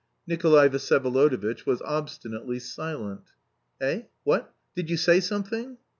Nikolay Vsyevolodovitch was obstinately silent. "Eh? What? Did you say something?